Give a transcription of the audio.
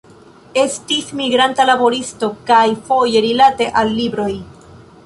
Estis migranta laboristo kaj foje rilate al libroj.